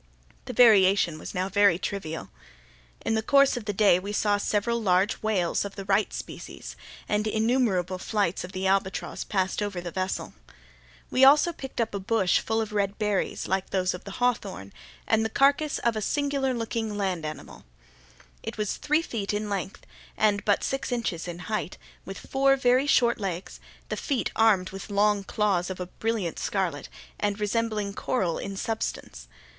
The variation was now very trivial. In the course of the day we saw several large whales of the right species, and innumerable flights of the albatross passed over the vessel. We also picked up a bush, full of red berries, like those of the hawthorn, and the carcass of a singular looking land animal. It was three feet in length, and but six inches in height, with four very short legs, the feet armed with long claws of a brilliant scarlet, and resembling coral in substance.